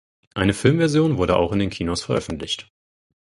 Eine Filmversion wurde auch in den Kinos veröffentlicht.